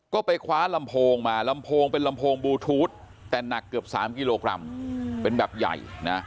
ก็ไปคว้าลำโพงมาลำโพงเป็นลำโพงบลูทูธแต่หนักเกือบ๓กิโลกรัมเป็นแบบใหญ่นะ